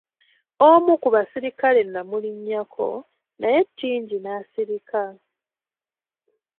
Omu ku basirikale n'amulinnyako, naye Tingi n'asirika.